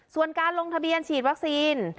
ส่วนการลงทะเบียนฉีดวัคซีน